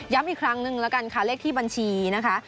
อีกครั้งนึงแล้วกันค่ะเลขที่บัญชีนะคะ